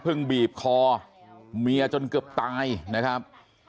บีบคอเมียจนเกือบตายนะครับ